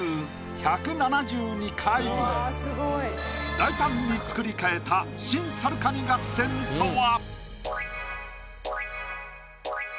大胆に作り替えた新『さるかに合戦』とは？